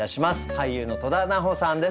俳優の戸田菜穂さんです。